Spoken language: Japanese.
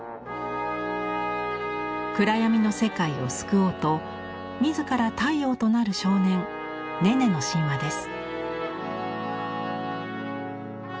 暗闇の世界を救おうと自ら太陽となる少年ネネの神話です。